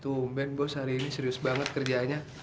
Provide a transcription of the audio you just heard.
tumben bos hari ini serius banget kerjaannya